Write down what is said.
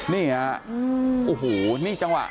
นี่ฮะโอ้โหนี่จังหวะ